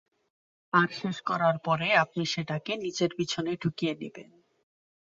আর শেষ করার পরে, আপনি সেটাকে নিজের পেছনে ঢুকিয়ে নেবেন।